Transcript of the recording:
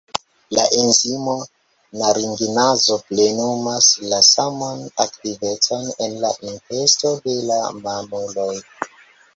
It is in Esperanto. La enzimo "naringinazo" plenumas la saman aktivecon en la intesto de la mamuloj.